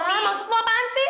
hah maksudmu apaan sih